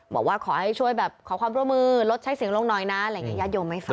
บอกว่าขอให้ช่วยแบบขอความร่วมมือลดใช้เสียงลงหน่อยนะอะไรอย่างนี้ญาติโยมไม่ฟัง